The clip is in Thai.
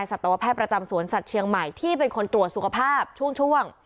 สัตวแพทย์ประจำสวนสัตว์เชียงใหม่ที่เป็นคนตรวจสุขภาพช่วง